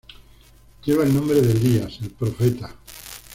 Lleva el nombre de Elías el profeta.